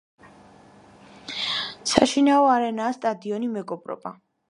საშინაო არენაა სტადიონი „მეგობრობა“.